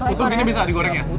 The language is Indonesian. utuh gini bisa digoreng ya